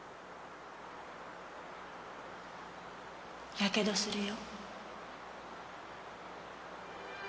やけどするよ。